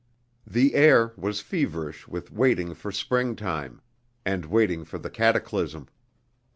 The air was feverish with waiting for springtime and waiting for the cataclysm.